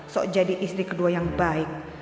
so jadi istri kedua yang baik